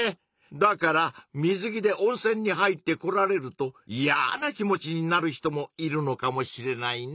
だから水着で温泉に入ってこられるといやな気持ちになる人もいるのかもしれないね。